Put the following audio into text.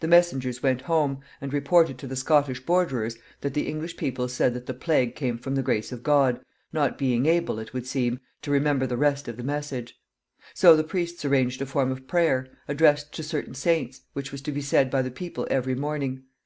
The messengers went home, and reported to the Scottish borderers that the English people said that the plague came from the grace of God, not being able, it would seem, to remember the rest of the message. So the priests arranged a form of prayer, addressed to certain saints, which was to be said by the people every morning.